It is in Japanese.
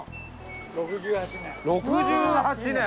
６８年！